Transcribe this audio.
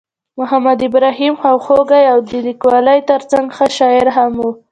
محمد ابراهیم خواخوږی د لیکوالۍ ترڅنګ ښه شاعر هم ؤ.